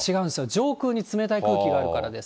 上空に冷たい空気があるからです。